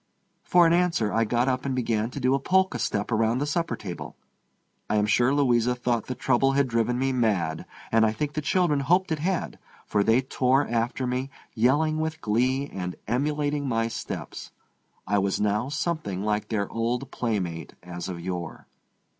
For an answer I got up and began to do a polka step around the supper table. I am sure Louisa thought the trouble had driven me mad; and I think the children hoped it had, for they tore after me, yelling with glee and emulating my steps. I was now something like their old playmate as of yore.